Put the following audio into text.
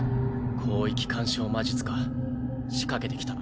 広域干渉魔術か仕掛けてきたな